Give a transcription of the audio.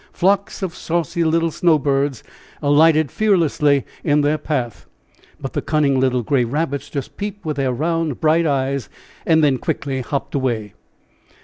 Flocks of saucy little snow birds alighted fearlessly in their path; but the cunning little gray rabbits just peeped with their round, bright eyes, and then quickly hopped away.